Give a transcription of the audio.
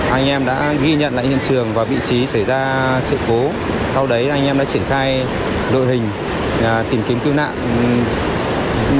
anh em đã ghi nhận lại hiện trường và vị trí xảy ra sự cố sau đấy anh em đã triển khai đội hình tìm kiếm cứu nạn